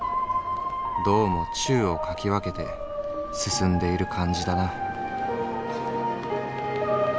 どうも宙を掻き分けて進んでいる感じだな」。